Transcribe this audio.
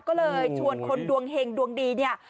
ก็เลยชวนคนดวงเห็งดวงดีเนี่ย